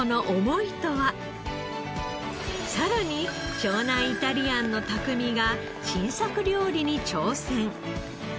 さらに湘南イタリアンの匠が新作料理に挑戦。